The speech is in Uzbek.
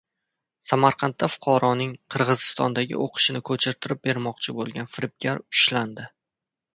Samarqandda fuqaroning Qirg‘izistondagi o‘qishini ko‘chirtirib bermoqchi bo‘lgan firibgar ushlandi